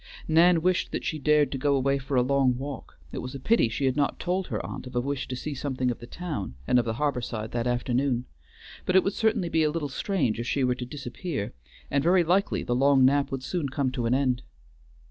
Nan wished that she dared to go away for a long walk; it was a pity she had not told her aunt of a wish to see something of the town and of the harbor side that afternoon, but it would certainly be a little strange if she were to disappear, and very likely the long nap would soon come to an end.